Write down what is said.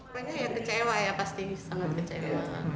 mereka yang kecewa ya pasti sangat kecewa